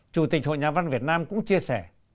chủ tịch hội nhà văn việt nam cũng chia sẻ